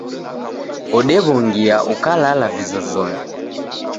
Odewongia ukalala vizozonyi